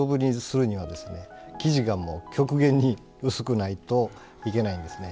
木地が極限に薄くないといけないんですね。